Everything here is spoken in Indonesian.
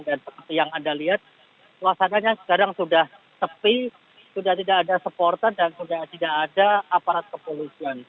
dan seperti yang anda lihat suasananya sekarang sudah sepi sudah tidak ada supporter dan sudah tidak ada aparat kepolisian